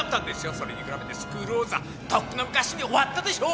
それに比べてスクールウォーズはとっくの昔に終わったでしょう。